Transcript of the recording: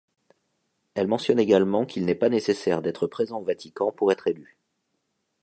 Elle mentionne également qu'il n'est pas nécessaire d'être présent au Vatican pour être élu.